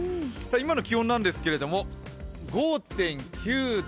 今の気温なんですけれども、５．９度。